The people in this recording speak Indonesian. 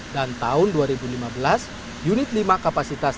dan tahun dua ribu lima belas unit lima kapasitas tiga puluh lima mw